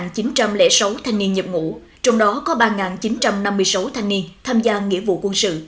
năm nay tp hcm có bốn chín trăm linh sáu thanh niên nhập ngũ trong đó có ba chín trăm năm mươi sáu thanh niên tham gia nghĩa vụ quân sự